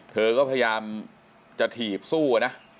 เธอก็พยายามจะถีบสู้อะนะ